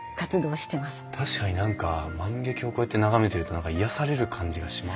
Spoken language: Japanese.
確かに何か万華鏡をこうやって眺めていると何か癒やされる感じがします。